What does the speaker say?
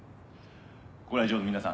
ご来場の皆さん。